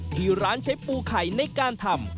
ที่ร้านใช้ปูไข่ในการทำ